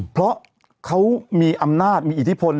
เพราะเขามีอำนาจมีอิทธิพล